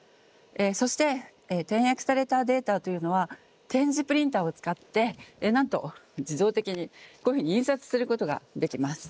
そして点訳されたデータというのは点字プリンターを使ってなんと自動的にこういうふうに印刷することができます。